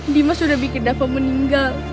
limas udah bikin dapo meninggal